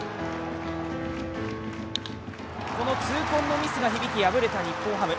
この痛恨のミスが響き敗れた日本ハム。